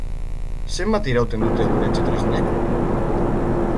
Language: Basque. Zenbat irauten dute gure etxe tresnek?